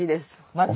まず。